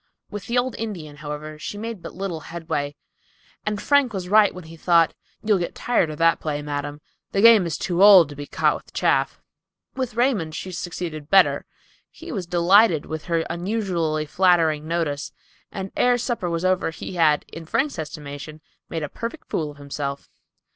With the old Indian, however, she made but little headway; and Frank was right when he thought, "You'll get tired of that play, madam; the game is too old to be caught with chaff." With Raymond she succeeded better. He was delighted with her unusually flattering notice; and ere supper was over he had, in Frank's estimation, made a perfect fool of himself.